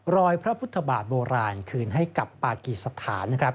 รอยพระพุทธบาทโบราณคืนให้กับปากีสถานนะครับ